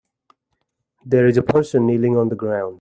There is a person kneeling on the ground.